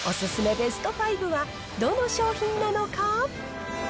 ベスト５はどの商品なのか。